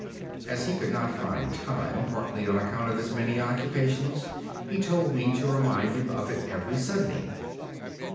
As he could not find time, partly on account of his many occupations, he told me to remind him of it every Sunday.